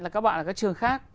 là các bạn ở các trường khác